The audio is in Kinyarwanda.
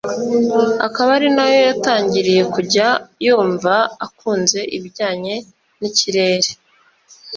akaba ari naho yatangiriye kujya yumva akunze ibijyanye n’ikirere